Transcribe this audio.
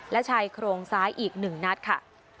และชายโครงซ้ายอีก๑นัดค่ะ